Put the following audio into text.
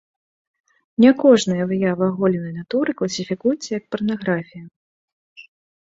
Не кожная выява аголенай натуры класіфікуецца як парнаграфія.